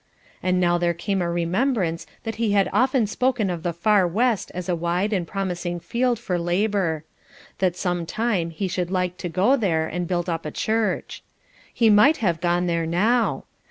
And now there came a remembrance that he had often spoken of the far west as a wide and promising field for labour; that some time he should like to go there and build up a church. He might have gone there now.